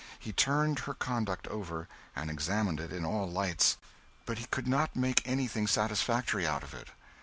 He turned her conduct over, and examined it in all lights, but he could not make anything satisfactory out of it.